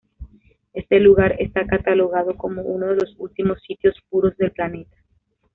Este lugar está catalogado como uno de los últimos sitios puros del planeta.